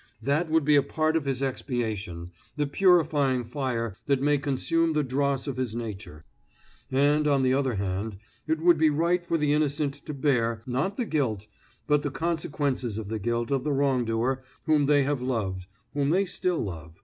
That would be a part of his expiation, the purifying fire that may consume the dross of his nature. And, on the other hand, it would be right for the innocent to bear, not the guilt, but the consequences of the guilt of the wrongdoer whom they have loved, whom they still love.